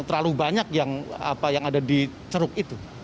terlalu banyak yang ada di ceruk itu